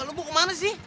lu mau kemana sih